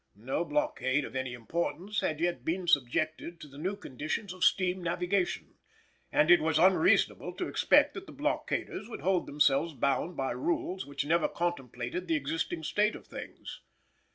No blockade of any importance had yet been subjected to the new conditions of steam navigation, and it was unreasonable to expect that the blockaders would hold themselves bound by rules which never contemplated the existing state of things.